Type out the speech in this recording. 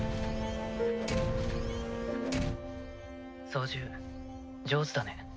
操縦上手だね。